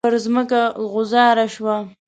شیرینو پر ځمکه غوځاره شوه.